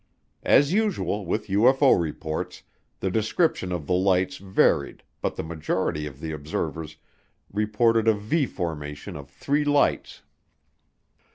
As usual with UFO reports, the descriptions of the lights varied but the majority of the observers reported a V formation of three lights.